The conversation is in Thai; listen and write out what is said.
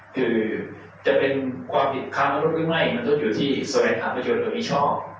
คือจะเป็นความผิดข้ามนุษย์หรือไม่มันต้องอยู่ที่สวัสดีธรรมประโยชน์มิชช่อง